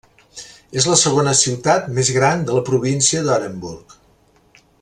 És la segona ciutat més gran de la província d'Orenburg.